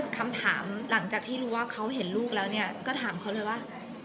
คำถามหลังจากที่รู้ว่าเขาเห็นลูกแล้วถามเขาเลยว่า